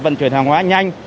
vận chuyển hàng hóa nhanh